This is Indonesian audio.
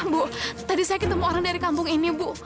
bu tadi saya ketemu orang dari kampung ini bu